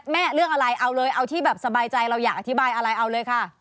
เรื่องอะไรเอาเลยเอาที่แบบสบายใจเราอยากอธิบายอะไรเอาเลยค่ะ